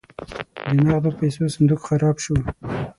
د نغدو پیسو صندوق خراب شو.